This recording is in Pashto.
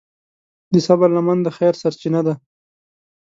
د صبر لمن د خیر سرچینه ده.